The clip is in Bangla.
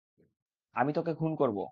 আমি তোকে খুন করবো।